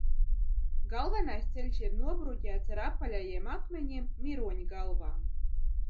Galvenas ceļš ir nobruģēts ar apaļajiem akmeņiem miroņgalvām.